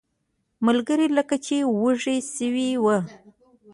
ملګري لکه چې وږي شوي وو.